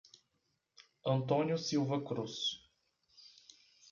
Antônio Silva Cruz